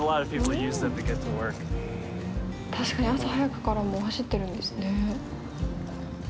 確かに朝早くからもう走ってるんですね。